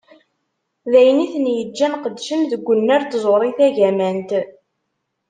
D ayen i ten-yeǧǧan qeddcen deg unnar n tẓuri tagamant.